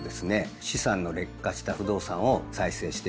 資産の劣化した不動産を再生していくと。